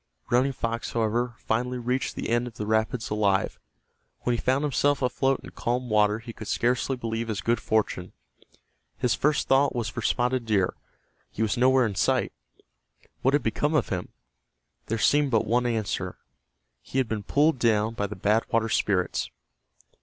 Running Fox, however, finally reached the end of the rapids alive. When he found himself afloat in calm water he could scarcely believe his good fortune. His first thought was for Spotted Deer. He was nowhere in sight. What had become of him? There seemed but one answer. He had been pulled down by the Bad Water Spirits.